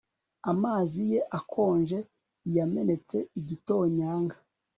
Amazi ye akonje yamenetse igitonyanga